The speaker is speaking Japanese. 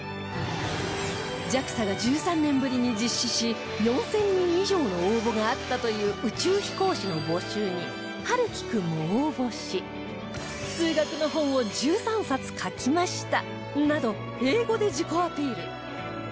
ＪＡＸＡ が１３年ぶりに実施し４０００人以上の応募があったという宇宙飛行士の募集に陽生君も応募し「数学の本を１３冊書きました」など英語で自己アピール